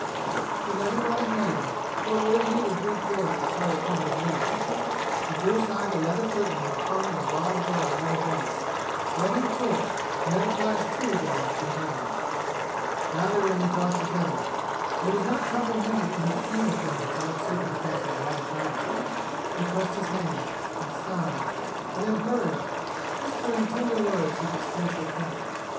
She led him by the hand, for it would have needed brute force to pry her fingers loose. She drew aside the leather curtain that hung on a bronze rod near the bed, led him through it, and let it clash to again behind them. Now they were in the dark together, and it was not comprehended in her scheme of things to let circumstance lie fallow. She pressed his hand, and sighed, and then hurried, whispering tender words he could scarcely catch.